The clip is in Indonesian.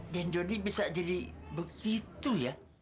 dan jody bisa jadi begitu ya